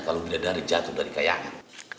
kalau dilihat dari jatuh dari kayangan